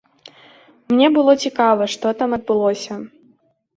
Мне было цікава, што там адбылося.